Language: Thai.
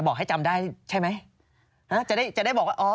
ก็คนมันจำไม่ได้แล้วจะให้จำได้หรอ